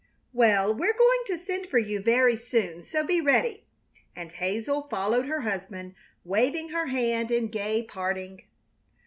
"Well, we're going to send for you very soon, so be ready!" and Hazel followed her husband, waving her hand in gay parting.